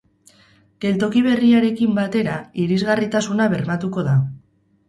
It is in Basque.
Geltoki berriarekin batera irisgarritasuna bermatuko da.